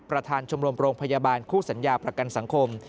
ประทานชมรพคุสัญญาประกันสังคม